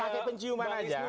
pakai penciuman aja